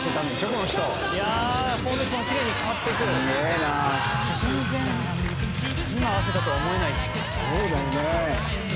この人いやフォーメーションがきれいに変わっていく全然今合わせたとは思えないそうだよね